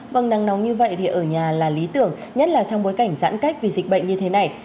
vâng nắng nóng như vậy thì ở nhà là lý tưởng nhất là trong bối cảnh giãn cách vì dịch bệnh như thế này